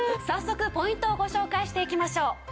早速ポイントをご紹介していきましょう。